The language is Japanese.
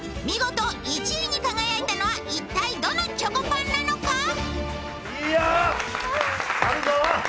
見事１位に輝いたのは一体どのチョコパンなのか？